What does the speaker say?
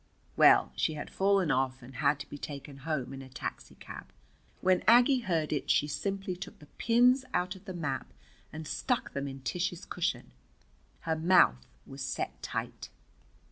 Well, she had fallen off and had to be taken home in a taxicab. When Aggie heard it she simply took the pins out of the map and stuck them in Tish's cushion. Her mouth was set tight.